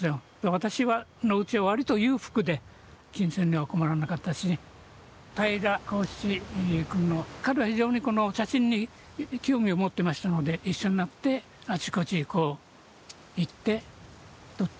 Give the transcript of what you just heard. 私のうちは割と裕福で金銭には困らなかったし平良孝七君も彼は非常に写真に興味を持ってましたので一緒になってあちこちこう行って撮ったんですね。